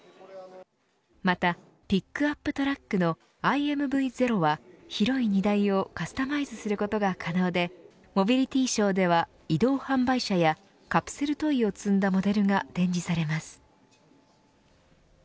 また、ピックアップトラックのＩＭＶ０は広い荷台をカスタマイズすることが可能でモビリティショーでは移動販売車やカプセルトイを積んだモデルが展示されます。